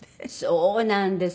そうなんです。